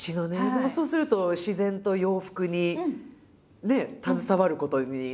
でもそうすると自然と洋服にね携わることになりますよね。